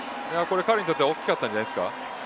彼にとっては大きかったんじゃないですか。